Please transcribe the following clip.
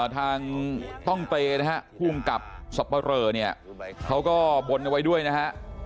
ทางต้องเตรนะฮะภูมิกับสับปะเรอเนี่ยเขาก็บนเอาไว้ด้วยนะฮะ